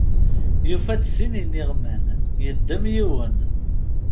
Yufa-d sin iniɣman, yeddem yiwen.